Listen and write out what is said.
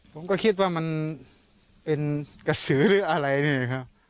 ผมก็คิดว่ามันเป็นกระสือหรืออะไรเนี่ยนะครับ